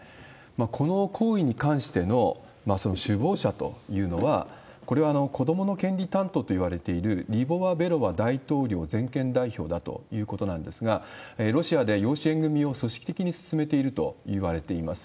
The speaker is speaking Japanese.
この行為に関しての首謀者というのは、これは子どもの権利担当といわれているリボワベロワ大統領全権代表だということなんですが、ロシアで養子縁組を組織的に進めているといわれています。